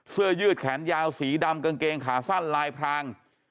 เสื้อยืดแขนยาวสีดำกางเกงขาสั้นลายพราง